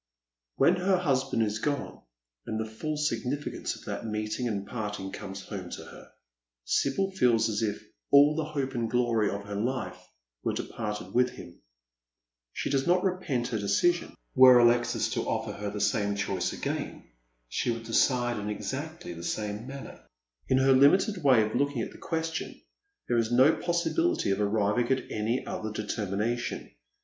When her husband is gone, and the full significance of that meeting and parting comes home to her, Sibyl feels as if all the hope and glory of her lifo were departed with him. She does not repent her decision. Were Alexis to offer her the same choice again she would decide in exactly the same manner. In her limited way of looking at the question there is no possibility of arriving at any other determination.